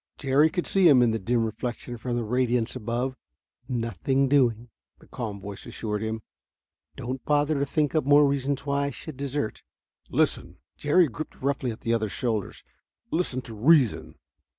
Jerry could see him in the dim reflection from that radiance above. "Nothing doing," the calm voice assured him. "Don't bother to think up more reasons why I should desert." "Listen!" Jerry gripped roughly at the other's shoulder. "Listen to reason.